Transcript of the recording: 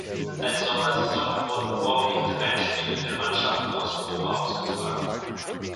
Als Sommersaison wurden vorwiegend Heimspiele der Mannschaften aus Europa ausgetragen.